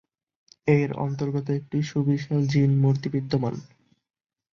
এর অন্তর্গত একটি সুবিশাল "জিন মুর্তি" বিদ্যমান।